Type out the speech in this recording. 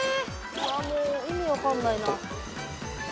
わあもう意味分かんないな。